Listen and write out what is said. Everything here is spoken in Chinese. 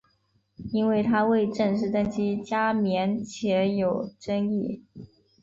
因为他未正式登基加冕且有争议。